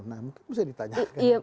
nah mungkin bisa ditanya